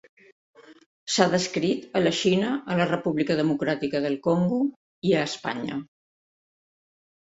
S’ha descrit a la Xina, a la República Democràtica del Congo i a Espanya.